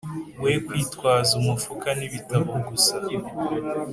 we kwitwaza umufuka n'ibitabo gusa!